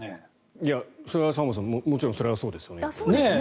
沢松さん、もちろんそれはそうですよね。